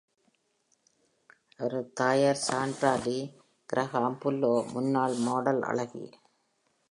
அவரது தாயார், Sandra Lee Graham Bullo, முன்னாள் மாடல் அழகி.